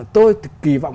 tôi kỳ vọng